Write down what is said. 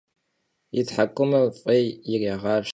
Yi thek'umem f'êy yirêğapşher.